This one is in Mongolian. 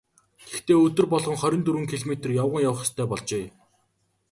Гэхдээ өдөр болгон хорин дөрвөн километр явган явах ёстой болжээ.